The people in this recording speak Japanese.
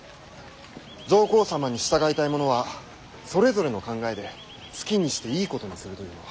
上皇様に従いたい者はそれぞれの考えで好きにしていいことにするというのは。